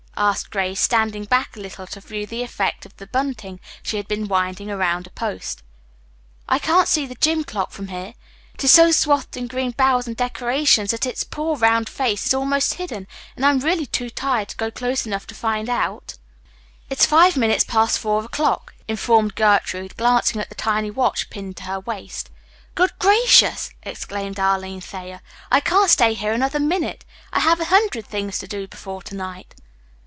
asked Grace, standing back a little to view the effect of the bunting she had been winding about a post. "I can't see the gym. clock from here. It is so swathed in green boughs and decorations that its poor round face is almost hidden, and I'm really too tired to go close enough to find out." "It's five minutes past four o'clock," informed Gertrude, glancing at the tiny watch pinned to her waist. "Good gracious!" exclaimed Arline Thayer, "I can't stay here another minute. I have a hundred things to do before to night."